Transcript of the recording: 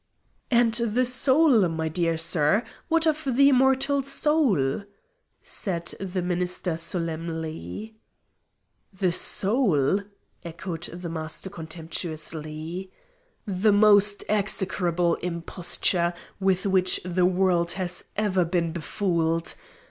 "And the soul, my dear sir! What of the immortal soul!" said the minister solemnly. "The soul!" echoed the Master contemptuously; "the most execrable imposture with which the world has ever been befooled!